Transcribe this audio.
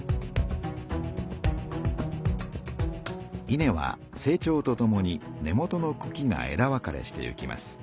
稲は成長とともに根元のくきがえだ分かれしていきます。